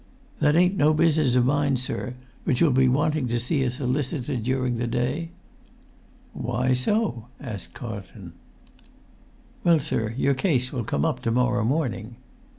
"That ain't no business of mine, sir; but you'll be wanting to see a solicitor during the day?" "Why so?" asked Carlton. "Well, sir, your case will come up to morrow morning."